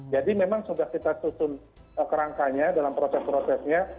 jadi memang sudah kita susun kerangkanya dalam proses prosesnya